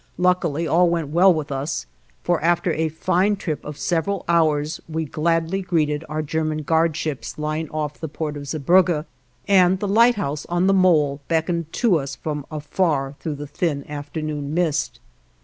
Luckily all went well with us, for after a fine trip of several hours we gladly greeted our German guard ships lying off the port of Zeebrugge, and the lighthouse on the mole beckoned to us from afar through the thin afternoon mist.